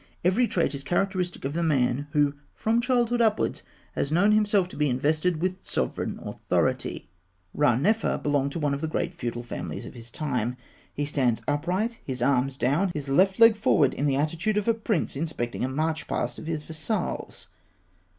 Every trait is characteristic of the man who from childhood upwards has known himself to be invested with sovereign authority. Ranefer belonged to one of the great feudal families of his time. He stands upright, his arms down, his left leg forward, in the attitude of a prince inspecting a march past of his vassals.